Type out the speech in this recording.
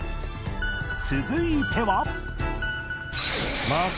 続いては